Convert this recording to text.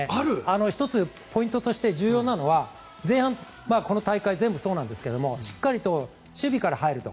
１つ、ポイントとして重要なのは前半、この大会全部そうですがしっかりと守備から入ると。